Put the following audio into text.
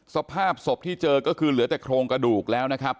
สภาพศพที่เจอก็คือเหลือแต่โครงกระดูกแล้วนะครับ